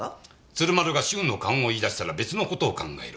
鶴丸が「主婦の勘」を言い出したら別の事を考えろ。